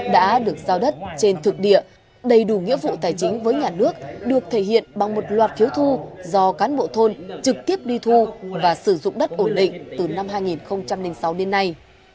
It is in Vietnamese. đã được giao đất trên thực địa đầy đủ nghĩa vụ tài chính với nhà nước được thể hiện bằng một loạt phiếu thu do cán bộ thôn trực tiếp đi thu và sử dụng đất ổn định từ năm hai nghìn sáu đến nay